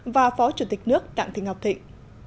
và phó chủ tịch nước tạng thị ngọc thịnh